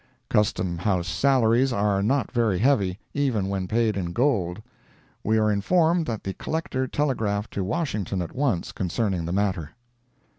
Custom House salaries are not very heavy, even when paid in gold. We are informed that the Collector telegraphed to Washington at once concerning the matter.